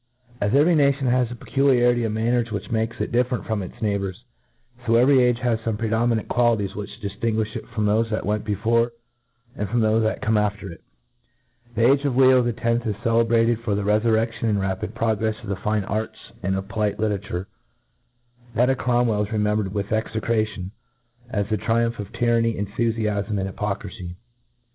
AS every nation has a pequliarity of man ners Avhich makes it different from its neighbours j fo every age has fome predominan,t qualities which diftinguifli it from thofe that went before, and from thofe that come after it. The age of Leo X, i& celebrated for the rcfurrc£lion and rapid progref$ of the fine arts and of polite literature ; that of CromwclJ is remembered with exccratign, as the triumph of tyranny, enthufiafm, and hypocrify.